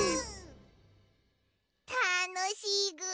たのしいぐ。